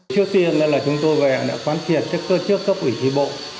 trước tiên là chúng tôi đã quán triệt các cơ chức cấp ủy thi bộ